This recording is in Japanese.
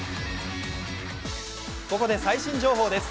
ここで最新情報です。